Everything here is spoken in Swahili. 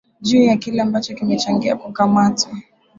juu ya kile ambacho kimechangia kukamatwa